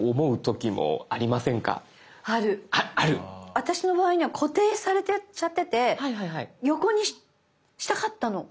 私の場合には固定されちゃってて横にしたかったの。